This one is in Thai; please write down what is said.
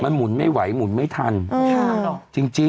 มันหมุนไม่ไหวหมุนไม่ทันจริง